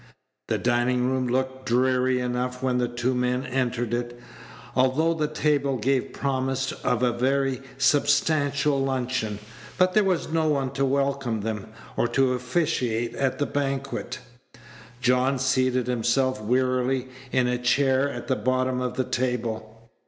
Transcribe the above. The dining room looked dreary enough when the two men entered it, although the table gave promise of a very substantial luncheon; but there was no one to welcome them, or to officiate at the banquet. John seated himself wearily in a chair at the bottom of the table.